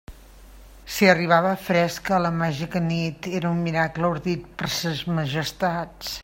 Si arribava fresca a la màgica nit, era un miracle ordit per Ses Majestats.